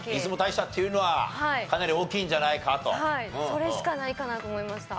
それしかないかなと思いました。